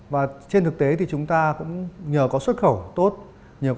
và trên thực tế thì chúng ta cũng nhờ có xuất khẩu tốt nhờ có fdl